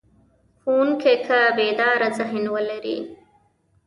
ښوونکی که بیداره ذهن ولري.